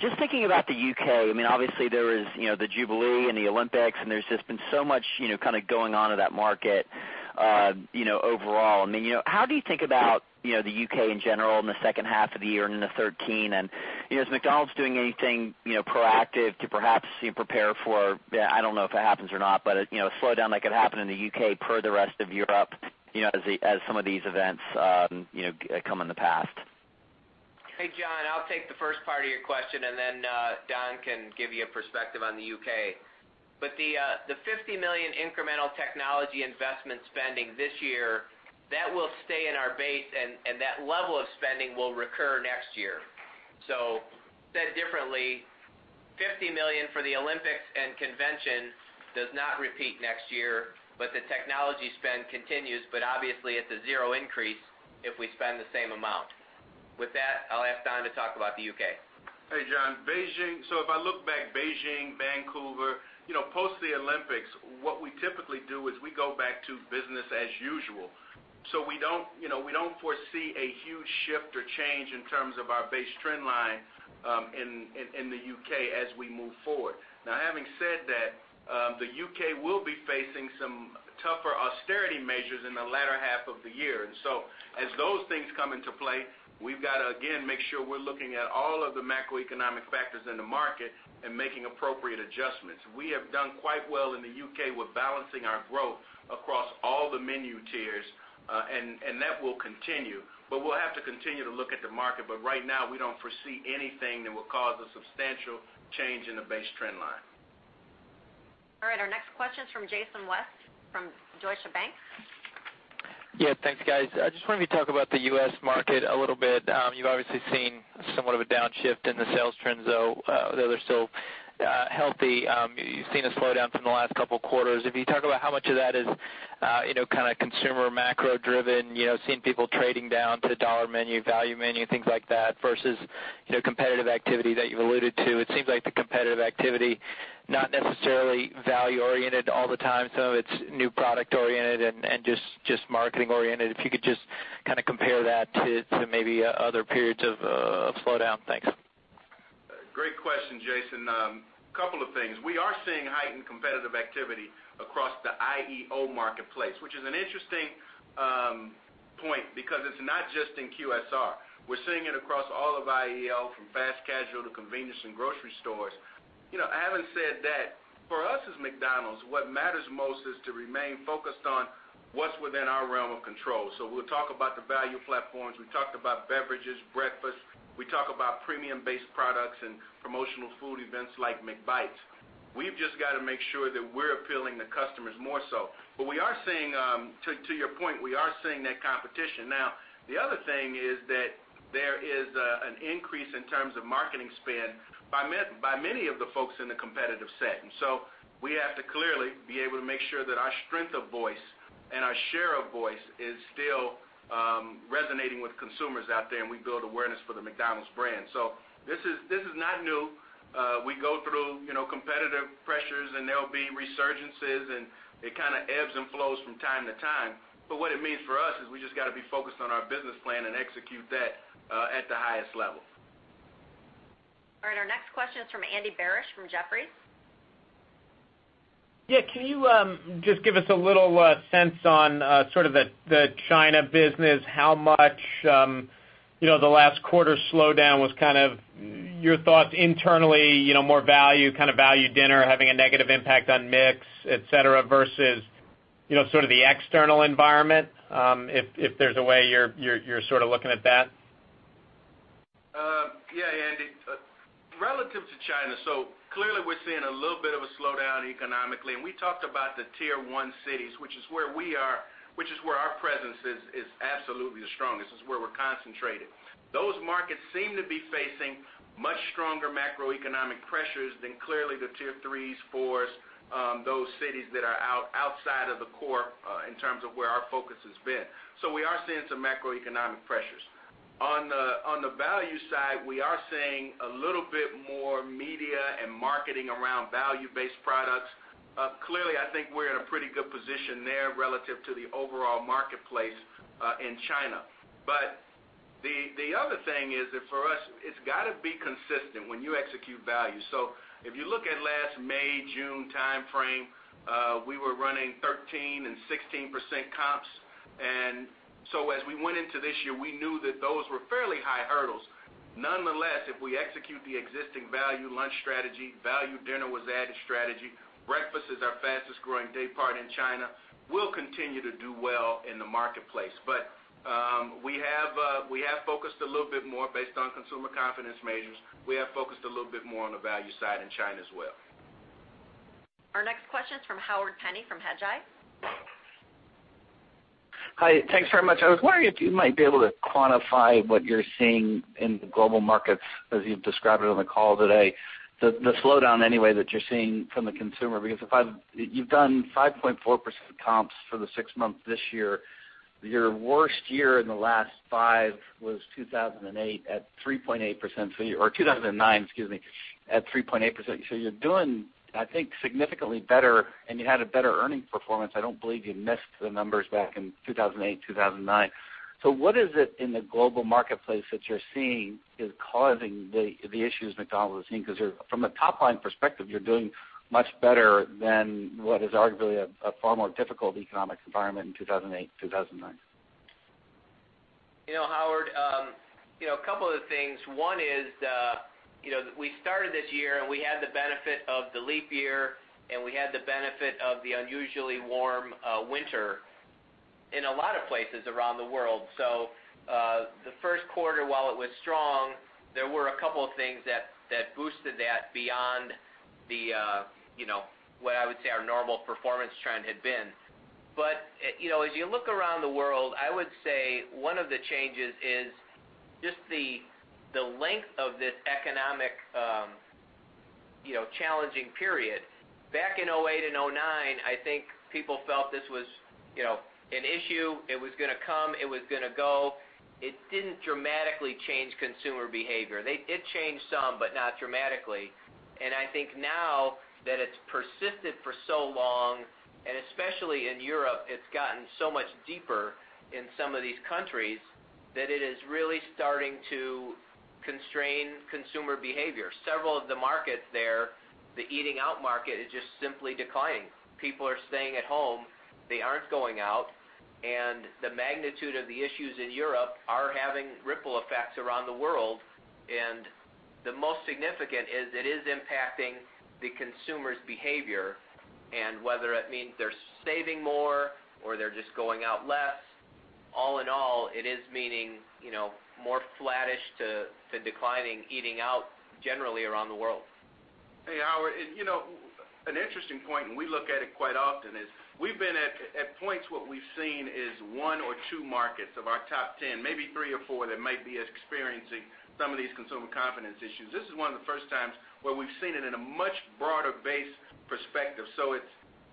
just thinking about the U.K., obviously there was the Jubilee and the Olympics, and there's just been so much going on in that market overall. How do you think about the U.K. in general in the second half of the year and into 2013? Is McDonald's doing anything proactive to perhaps prepare for, I don't know if it happens or not, but a slowdown that could happen in the U.K. per the rest of Europe, as some of these events come in the past? Hey, John, I'll take the first part of your question, and then Don can give you a perspective on the U.K. But the $50 million incremental technology investment spending this year, that will stay in our base, and that level of spending will recur next year. Said differently, $50 million for the Olympics and convention does not repeat next year, but the technology spend continues. Obviously, it's a zero increase if we spend the same amount. With that, I'll ask Don to talk about the U.K. Hey, John. If I look back, Beijing, Vancouver, post the Olympics, what we typically do is we go back to business as usual. We don't foresee a huge shift or change in terms of our base trend line in the U.K. as we move forward. Now, having said that, the U.K. will be facing some tougher austerity measures in the latter half of the year. As those things come into play, we've got to, again, make sure we're looking at all of the macroeconomic factors in the market and making appropriate adjustments. We have done quite well in the U.K. with balancing our growth across all the menu tiers, and that will continue. But we'll have to continue to look at the market. Right now, we don't foresee anything that will cause a substantial change in the base trend line. All right. Our next question is from Jason West from Deutsche Bank. Yeah, thanks, guys. I just wonder if you can talk about the U.S. market a little bit. You've obviously seen somewhat of a downshift in the sales trends, though they're still healthy. You've seen a slowdown from the last couple of quarters. If you talk about how much of that is consumer macro driven, seeing people trading down to dollar menu, value menu, things like that, versus competitive activity that you've alluded to. It seems like the competitive activity, not necessarily value oriented all the time. Some of it's new product oriented and just marketing oriented. If you could just compare that to maybe other periods of slowdown. Thanks. Great question, Jason. Couple of things. We are seeing heightened competitive activity across the IEO marketplace, which is an interesting point because it's not just in QSR. We're seeing it across all of IEO, from fast casual to convenience and grocery stores. Having said that, for us as McDonald's, what matters most is to remain focused on what's within our realm of control. We'll talk about the value platforms. We talked about beverages, breakfast. We talk about premium-based products and promotional food events like McBites. We've just got to make sure that we're appealing to customers more so. To your point, we are seeing that competition. The other thing is that there is an increase in terms of marketing spend by many of the folks in the competitive set. We have to clearly be able to make sure that our strength of voice and our share of voice is still resonating with consumers out there, and we build awareness for the McDonald's brand. This is not new. We go through competitive pressures, and there will be resurgences, and it kind of ebbs and flows from time to time. What it means for us is we just got to be focused on our business plan and execute that at the highest level. All right. Our next question is from Andy Barish from Jefferies. Can you just give us a little sense on the China business, how much the last quarter slowdown was kind of your thoughts internally, more value, kind of value dinner having a negative impact on mix, et cetera, versus the external environment, if there's a way you're looking at that? Yeah, Andy. Relative to China, clearly we're seeing a little bit of a slowdown economically. We talked about the Tier 1 cities, which is where our presence is absolutely the strongest. This is where we're concentrated. Those markets seem to be facing much stronger macroeconomic pressures than clearly the Tier 3, 4, those cities that are outside of the core in terms of where our focus has been. We are seeing some macroeconomic pressures. On the value side, we are seeing a little bit more media and marketing around value-based products. Clearly, I think we're in a pretty good position there relative to the overall marketplace in China. The other thing is that for us, it's got to be consistent when you execute value. If you look at last May, June time frame, we were running 13% and 16% comps. As we went into this year, we knew that those were fairly high hurdles. Nonetheless, if we execute the existing value lunch strategy, value dinner was added strategy, breakfast is our fastest growing day part in China. We'll continue to do well in the marketplace. We have focused a little bit more based on consumer confidence measures. We have focused a little bit more on the value side in China as well. Our next question is from Howard Penney from Hedgeye. Hi. Thanks very much. I was wondering if you might be able to quantify what you're seeing in the global markets as you've described it on the call today, the slowdown any way that you're seeing from the consumer. You've done 5.4% comps for the six months this year. Your worst year in the last five was 2008 at 3.8%, or 2009, excuse me, at 3.8%. You're doing, I think, significantly better and you had a better earning performance. I don't believe you missed the numbers back in 2008, 2009. What is it in the global marketplace that you're seeing is causing the issues McDonald's is seeing? From a top-line perspective, you're doing much better than what is arguably a far more difficult economic environment in 2008, 2009. Howard, a couple of things. One is we started this year, and we had the benefit of the leap year, and we had the benefit of the unusually warm winter in a lot of places around the world. The first quarter, while it was strong, there were a couple of things that boosted that beyond what I would say our normal performance trend had been. As you look around the world, I would say one of the changes is just the length of this economic challenging period. Back in '08 and '09, I think people felt this was an issue. It was going to come. It was going to go. It didn't dramatically change consumer behavior. It changed some, but not dramatically. I think now that it's persisted for so long, and especially in Europe, it's gotten so much deeper in some of these countries that it is really starting to constrain consumer behavior. Several of the markets there, the eating out market is just simply declining. People are staying at home. They aren't going out, the magnitude of the issues in Europe are having ripple effects around the world, and the most significant is it is impacting the consumer's behavior, and whether it means they're saving more or they're just going out less. All in all, it is meaning more flattish to declining eating out generally around the world. Hey, Howard, an interesting point, and we look at it quite often, is we've been at points what we've seen is one or two markets of our top 10, maybe three or four that might be experiencing some of these consumer confidence issues. This is one of the first times where we've seen it in a much broader base perspective.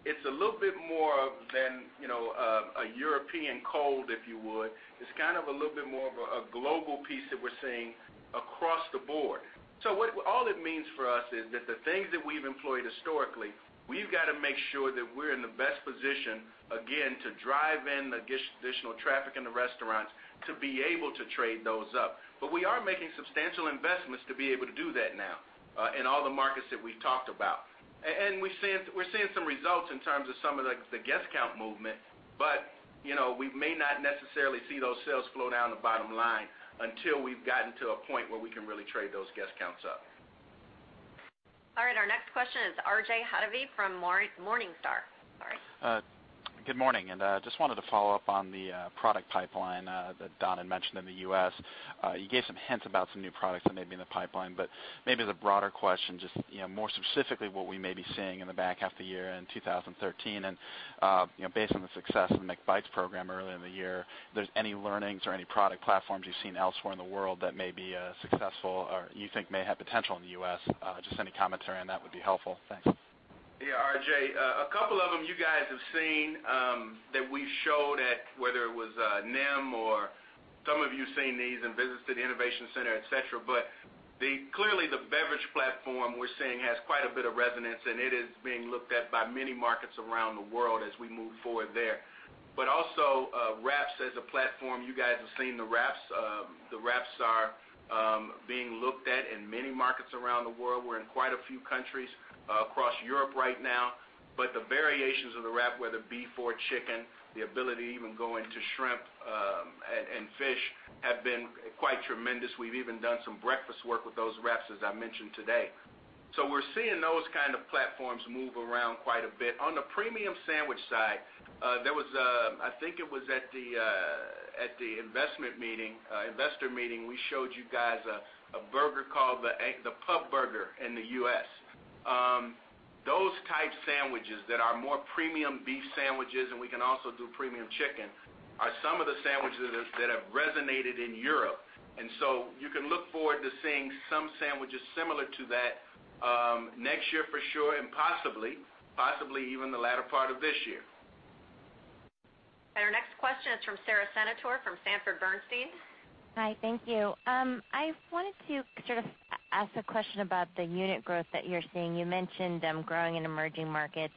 It's a little bit more than a European cold, if you would. It's kind of a little bit more of a global piece that we're seeing across the board. All it means for us is that the things that we've employed historically, we've got to make sure that we're in the best position, again, to drive in the additional traffic in the restaurants to be able to trade those up. We are making substantial investments to be able to do that now in all the markets that we've talked about. We're seeing some results in terms of some of the guest count movement, but we may not necessarily see those sales flow down to bottom line until we've gotten to a point where we can really trade those guest counts up. All right. Our next question is R.J. Hottovy from Morningstar. Sorry. Good morning. Just wanted to follow up on the product pipeline that Don had mentioned in the U.S. You gave some hints about some new products that may be in the pipeline, but maybe the broader question, just more specifically what we may be seeing in the back half of the year in 2013 and based on the success of the McBites program earlier in the year, if there's any learnings or any product platforms you've seen elsewhere in the world that may be successful or you think may have potential in the U.S., just any commentary on that would be helpful. Thanks. Yeah, RJ, a couple of them you guys have seen that we showed at, whether it was NEM or some of you have seen these in visits to the innovation center, et cetera. Clearly the beverage platform we're seeing has quite a bit of resonance, and it is being looked at by many markets around the world as we move forward there. Also wraps as a platform. You guys have seen the wraps. The wraps are being looked at in many markets around the world. We're in quite a few countries across Europe right now. The variations of the wrap, whether beef or chicken, the ability to even go into shrimp and fish have been quite tremendous. We've even done some breakfast work with those wraps, as I mentioned today. We're seeing those kind of platforms move around quite a bit. On the premium sandwich side, I think it was at the investor meeting, we showed you guys a burger called the Pub Burger in the U.S. Those type sandwiches that are more premium beef sandwiches, and we can also do premium chicken, are some of the sandwiches that have resonated in Europe. You can look forward to seeing some sandwiches similar to that next year for sure, and possibly even the latter part of this year. Our next question is from Sara Senatore from Sanford C. Bernstein. Hi. Thank you. I wanted to sort of ask a question about the unit growth that you're seeing. You mentioned growing in emerging markets,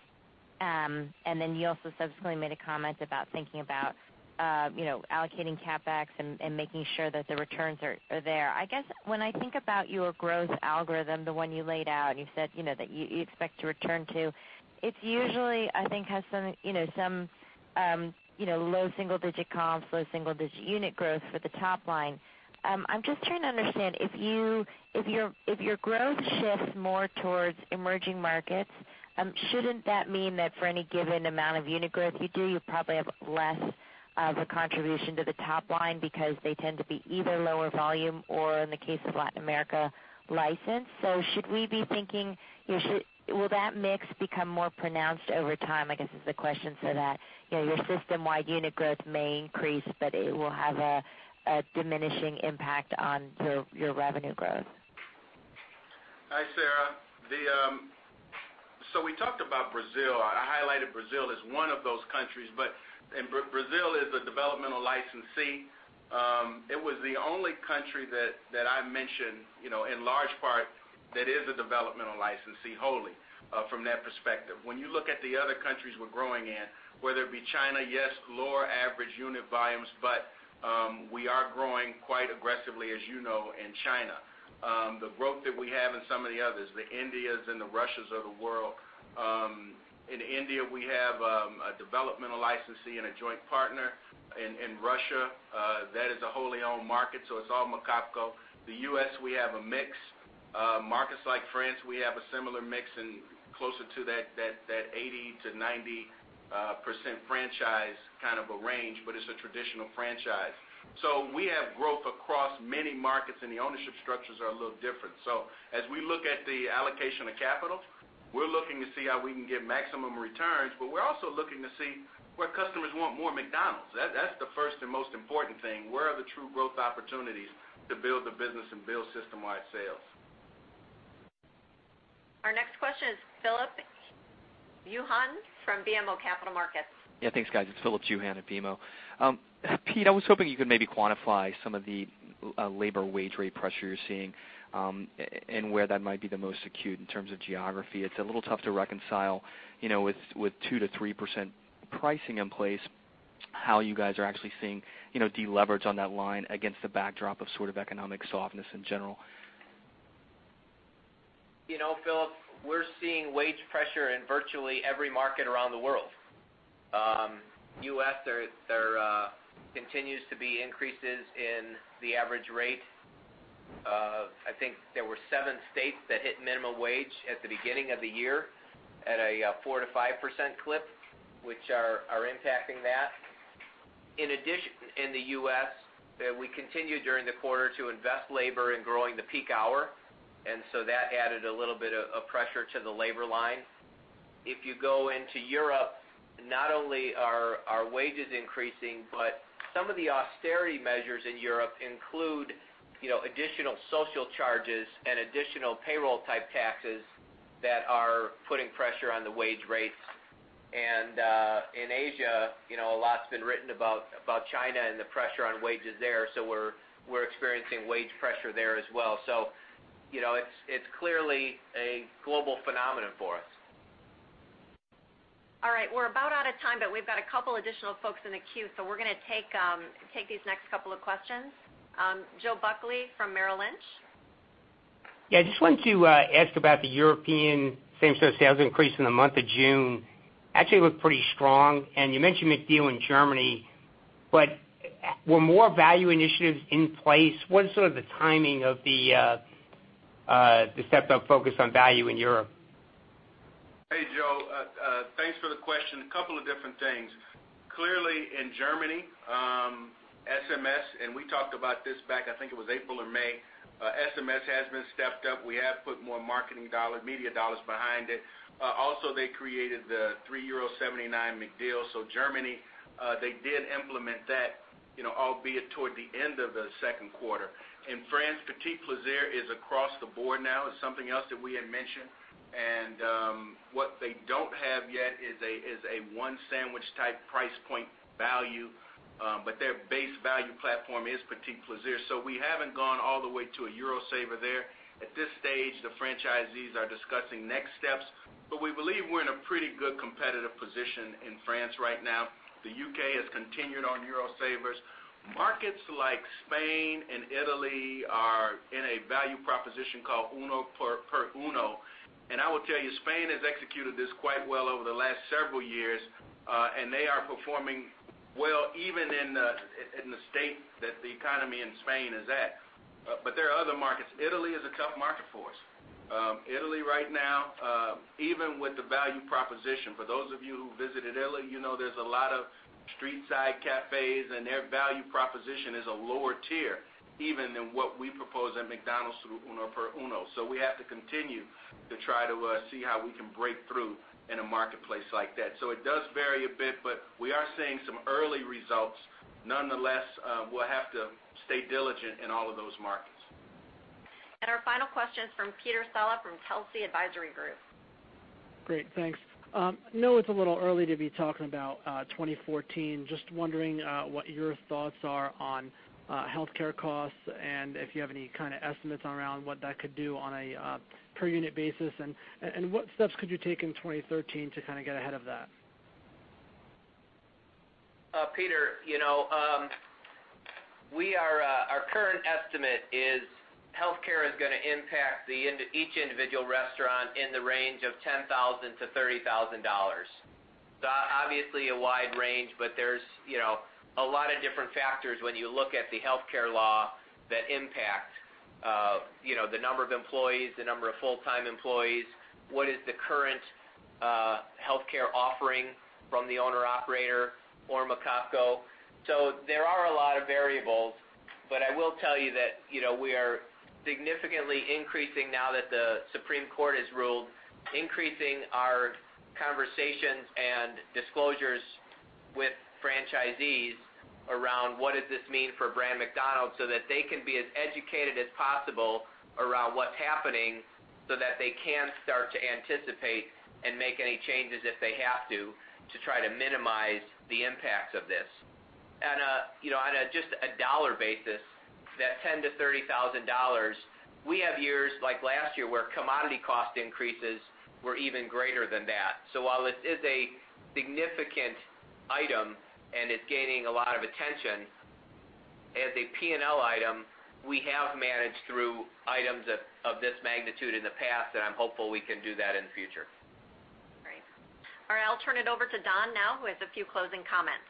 then you also subsequently made a comment about thinking about allocating CapEx and making sure that the returns are there. I guess when I think about your growth algorithm, the one you laid out, and you said that you expect to return to, it usually, I think, has some low single-digit comps, low single-digit unit growth for the top line. I'm just trying to understand, if your growth shifts more towards emerging markets, shouldn't that mean that for any given amount of unit growth you do, you probably have less of a contribution to the top line because they tend to be either lower volume or, in the case of Latin America, licensed? Should we be thinking, will that mix become more pronounced over time, I guess, is the question for that. Your system-wide unit growth may increase, but it will have a diminishing impact on your revenue growth. Hi, Sara. We talked about Brazil. I highlighted Brazil as one of those countries. Brazil is a developmental licensee. It was the only country that I mentioned, in large part, that is a developmental licensee wholly from that perspective. When you look at the other countries we're growing in, whether it be China, yes, lower average unit volumes, we are growing quite aggressively, as you know, in China. The growth that we have in some of the others, the Indias and the Russias of the world. In India, we have a developmental licensee and a joint partner. In Russia, that is a wholly owned market, so it's all McOpCo. The U.S., we have a mix. Markets like France, we have a similar mix and closer to that 80%-90% franchise kind of a range, it's a traditional franchise. We have growth across many markets, and the ownership structures are a little different. As we look at the allocation of capital, we're looking to see how we can get maximum returns, but we're also looking to see where customers want more McDonald's. That's the first and most important thing. Where are the true growth opportunities to build the business and build system-wide sales? Our next question is Phillip Juhan from BMO Capital Markets. Yeah, thanks, guys. It's Phillip Juhan at BMO. Pete, I was hoping you could maybe quantify some of the labor wage rate pressure you're seeing, and where that might be the most acute in terms of geography. It's a little tough to reconcile, with 2%-3% pricing in place, how you guys are actually seeing de-leverage on that line against the backdrop of sort of economic softness in general. Phillip, we're seeing wage pressure in virtually every market around the world. U.S., there continues to be increases in the average rate. I think there were seven states that hit minimum wage at the beginning of the year at a 4%-5% clip, which are impacting that. In addition, in the U.S., we continued during the quarter to invest labor in growing the peak hour, and that added a little bit of pressure to the labor line. If you go into Europe, not only are wages increasing, but some of the austerity measures in Europe include additional social charges and additional payroll-type taxes that are putting pressure on the wage rates. In Asia, a lot's been written about China and the pressure on wages there. We're experiencing wage pressure there as well. It's clearly a global phenomenon for us. All right. We're about out of time, but we've got a couple additional folks in the queue, so we're going to take these next couple of questions. Joe Buckley from Merrill Lynch. Yeah. I just wanted to ask about the European same store sales increase in the month of June. Actually looked pretty strong. You mentioned McDeal in Germany, but were more value initiatives in place? What is sort of the timing of the stepped up focus on value in Europe? Hey, Joe. Thanks for the question. A couple of different things. Clearly in Germany, SMS, and we talked about this back, I think it was April or May, SMS has been stepped up. We have put more marketing dollars, media dollars behind it. Also, they created the €3.79 McDeal. Germany, they did implement that, albeit toward the end of the second quarter. In France, Petits Plaisirs is across the board now. It's something else that we had mentioned. What they don't have yet is a one sandwich type price point value. Their base value platform is Petits Plaisirs. We haven't gone all the way to a Eurosaver there. At this stage, the franchisees are discussing next steps, but we believe we're in a pretty good competitive position in France right now. The U.K. has continued on Eurosavers. Markets like Spain and Italy are in a value proposition called Uno per Uno. I will tell you, Spain has executed this quite well over the last several years, and they are performing well even in the state that the economy in Spain is at. There are other markets. Italy is a tough market for us. Italy right now, even with the value proposition, for those of you who visited Italy, you know there's a lot of street side cafes, and their value proposition is a lower tier even than what we propose at McDonald's through Uno per Uno. We have to continue to try to see how we can break through in a marketplace like that. It does vary a bit, but we are seeing some early results. Nonetheless, we'll have to stay diligent in all of those markets. Our final question is from Peter Saleh from Telsey Advisory Group. Great. Thanks. I know it's a little early to be talking about 2014. Just wondering what your thoughts are on healthcare costs and if you have any kind of estimates around what that could do on a per unit basis, and what steps could you take in 2013 to kind of get ahead of that? Peter, our current estimate is Healthcare is going to impact each individual restaurant in the range of $10,000-$30,000. Obviously a wide range, but there's a lot of different factors when you look at the healthcare law that impact the number of employees, the number of full-time employees, what is the current healthcare offering from the owner/operator or McOpCo. There are a lot of variables. I will tell you that, we are significantly increasing, now that the Supreme Court has ruled, increasing our conversations and disclosures with franchisees around what does this mean for brand McDonald's, so that they can be as educated as possible around what's happening, so that they can start to anticipate and make any changes if they have to try to minimize the impacts of this. On just a dollar basis, that $10,000 to $30,000, we have years like last year, where commodity cost increases were even greater than that. While this is a significant item and it's gaining a lot of attention, as a P&L item, we have managed through items of this magnitude in the past, and I'm hopeful we can do that in the future. Great. All right, I'll turn it over to Don now, who has a few closing comments.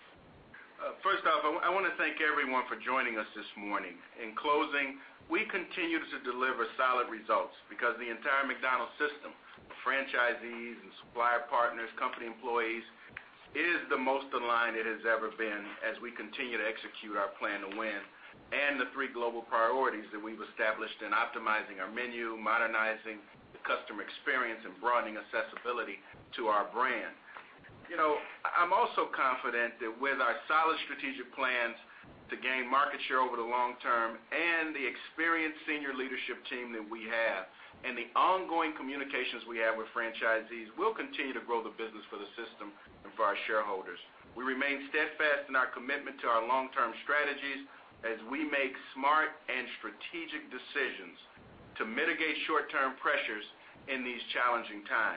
First off, I want to thank everyone for joining us this morning. In closing, we continue to deliver solid results because the entire McDonald's system, franchisees and supplier partners, company employees, is the most aligned it has ever been as we continue to execute our Plan to Win and the three global priorities that we've established in optimizing our menu, modernizing the customer experience, and broadening accessibility to our brand. I'm also confident that with our solid strategic plans to gain market share over the long term and the experienced senior leadership team that we have, and the ongoing communications we have with franchisees, we'll continue to grow the business for the system and for our shareholders. We remain steadfast in our commitment to our long-term strategies as we make smart and strategic decisions to mitigate short-term pressures in these challenging times